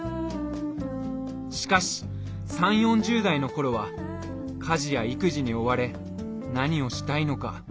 しかし３０４０代の頃は家事や育児に追われ何をしたいのか？